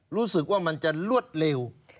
รู้สึกว่ามันจะรวดเร็ว